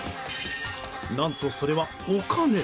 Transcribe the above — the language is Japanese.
何と、それはお金。